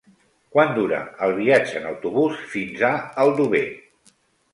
Quant dura el viatge en autobús fins a Aldover?